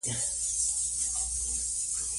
هغه وویل چې د ارامۍ احساس یوازې د خوند سره تړاو لري.